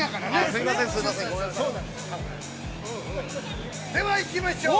◆すみません、では行きましょう。